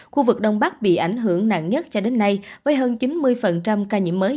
khu vực đông bắc bị ảnh hưởng nặng nhất cho đến nay với hơn chín mươi ca nhiễm mới